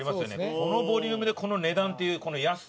このボリュームでこの値段っていうこの安さ。